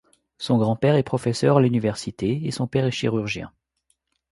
Son grand-père est professeur à l'université et son père est chirurgien.